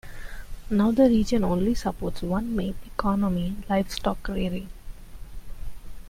Now the region only supports one main economy, livestock rearing.